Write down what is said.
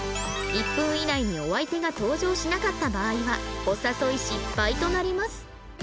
１分以内にお相手が登場しなかった場合はお誘い失敗となります